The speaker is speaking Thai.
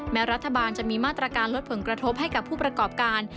รัฐบาลจะมีมาตรการลดผลกระทบให้กับผู้ประกอบการ